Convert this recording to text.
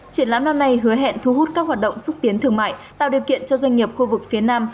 triển lãm năm nay hứa hẹn thu hút các hoạt động xúc tiến thương mại tạo điều kiện cho doanh nghiệp khu vực phía nam